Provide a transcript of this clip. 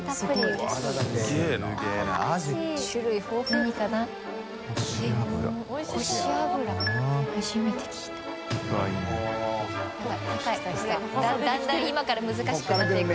海だんだん今から難しくなっていく。